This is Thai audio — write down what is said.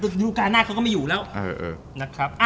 แหมดูการณ์หน้าเขาก็ไม่อยู่แล้ว